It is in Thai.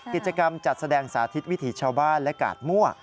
กิจกรรมจัดแสดงสาธิตวิถีชาวบ้านและกาดมั่ว